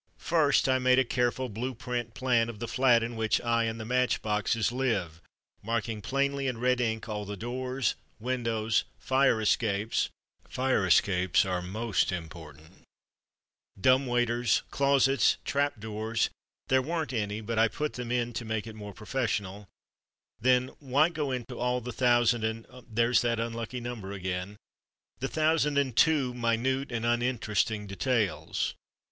First I made a careful blue print plan of the flat in which I (and the match boxes) live, marking plainly in red ink all the doors, windows, fire escapes (fire escapes are most important); dumbwaiters, closets, trapdoors (there weren't any but I put them in to make it more professional); then—but why go into all the thousand and—there's that unlucky number again—the thousand and two minute and uninteresting details?